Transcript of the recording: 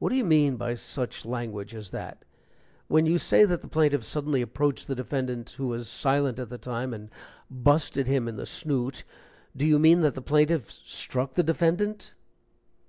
"What do you mean by such language as that? When you say that the plaintiff suddenly approached the defendant, who was silent at the time, and 'busted him in the snoot,' do you mean that the plaintiff struck the defendant?"